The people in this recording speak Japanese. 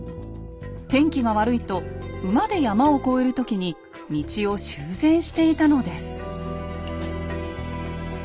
天気が悪いと馬で山を越える時に道を修繕していたのです。